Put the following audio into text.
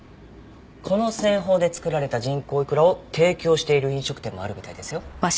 この製法で作られた人工いくらを提供している飲食店もあるみたいですよ。